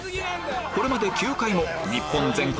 これまで９回も日本全国